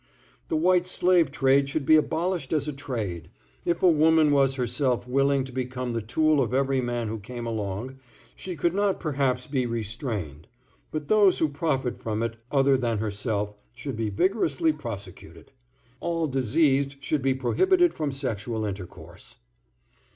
The White Slave Trade should be abolished as a trade. If a woman was herself willing to become the tool of every man who came along, she could not perhaps be restrained, but those who profit from it other than herself should be vigorously prosecuted. All diseased should be prohibited from sexual intercourse.